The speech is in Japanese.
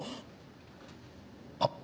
あっ！